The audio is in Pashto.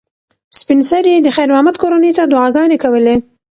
سپین سرې د خیر محمد کورنۍ ته دعاګانې کولې.